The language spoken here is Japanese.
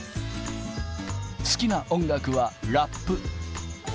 好きな音楽はラップ。